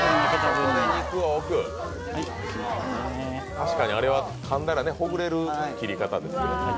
確かにあれはかんだらほぐれる切り方ですね。